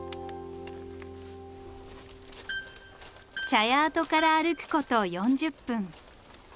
茶屋跡から歩くこと４０分。